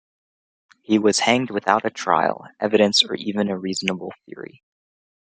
He was hanged without a trial, evidence or even a reasonable theory.